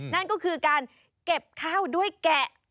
นั่นก็คือการเก็บข้าวด้วยแกะ